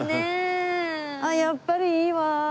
やっぱりいいわ。